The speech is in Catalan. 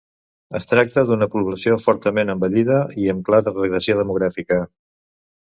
Es tracta d'una població fortament envellida i en clara regressió demogràfica.